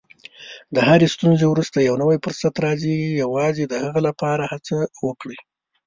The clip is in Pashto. د هرې ستونزې وروسته یو نوی فرصت راځي، یوازې د هغې لپاره هڅه وکړئ.